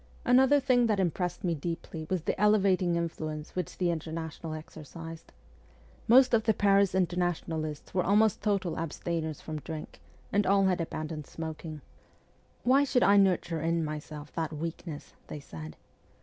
Another thing that impressed me deeply was the elevating influence which the Inter national exercised. Most of the Paris Internationalists were almost total abstainers from drink, and all had abandoned smoking. ' Why should I nurture in myself that weakness ?' they said.